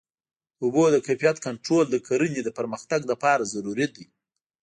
د اوبو د کیفیت کنټرول د کرنې د پرمختګ لپاره ضروري دی.